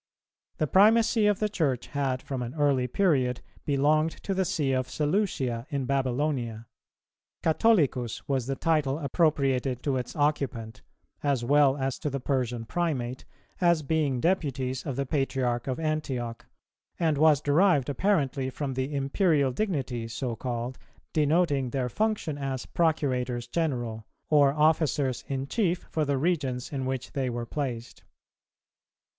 The primacy of the Church had from an early period belonged to the See of Seleucia in Babylonia. Catholicus was the title appropriated to its occupant, as well as to the Persian Primate, as being deputies of the Patriarch of Antioch, and was derived apparently from the Imperial dignity so called, denoting their function as Procurators general, or officers in chief for the regions in which they were placed.